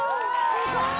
すごい。